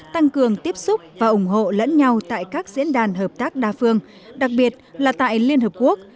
tăng cường tiếp xúc và ủng hộ lẫn nhau tại các diễn đàn hợp tác đa phương đặc biệt là tại liên hợp quốc